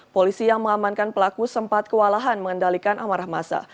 polisi yang mengamankan pelaku sempat kewalahan mengendalikan amarah masa